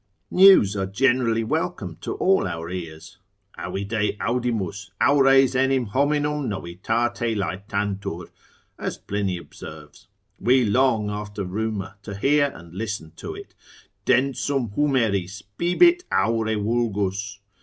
News are generally welcome to all our ears, avide audimus, aures enim hominum novitate laetantur (as Pliny observes), we long after rumour to hear and listen to it, densum humeris bibit aure vulgus.